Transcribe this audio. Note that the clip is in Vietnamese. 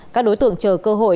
các đối tượng chờ cơ hội